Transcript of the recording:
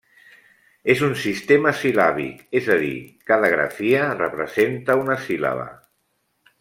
És un sistema sil·làbic, és a dir, cada grafia representa una síl·laba.